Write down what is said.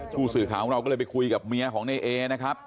ผู้สื่อข่าวของเราก็เลยไปคุยกับเมียของในเอนะครับ